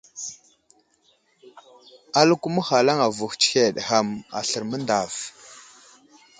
Aləko məhalaŋ avohw tsəhed ham aslər məŋdav.